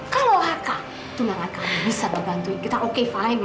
kalau haka tunangan kamu bisa dibantuin kita oke baik saja